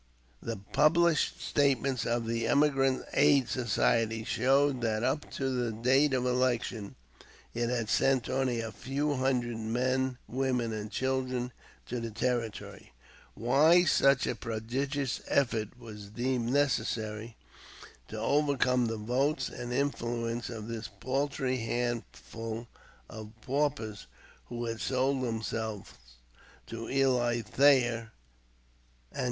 The published statements of the Emigrant Aid Society show that up to the date of election it had sent only a few hundred men, women, and children to the Territory. Why such a prodigious effort was deemed necessary to overcome the votes and influence of this paltry handful of "paupers who had sold themselves to Eli Thayer and Co."